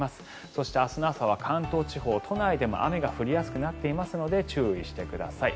そして、明日の朝は関東地方都内でも雨が降りやすくなっていますので注意してください。